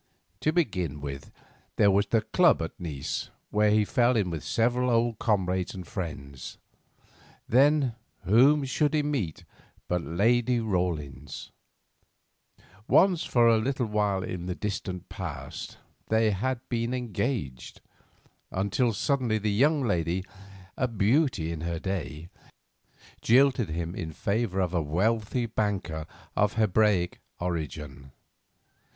To begin with, there was the club at Nice, where he fell in with several old comrades and friends. Then, whom should he meet but Lady Rawlins: once, for a little while in the distant past, they had been engaged; until suddenly the young lady, a beauty in her day, jilted him in favour of a wealthy banker of Hebraic origin.